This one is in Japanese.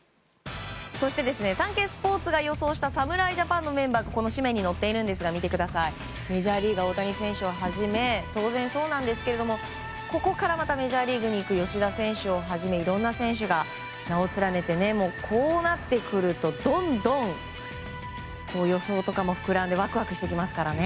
そしてサンケイスポーツが予想した侍ジャパンのメンバーがこの紙面に載っているんですがメジャーリーガー大谷選手をはじめ当然、そうなんですがここからまたメジャーリーグに行く吉田選手をはじめいろんな選手が名を連ねてこうなってくると、どんどん予想とかも膨らんでワクワクしてきますからね。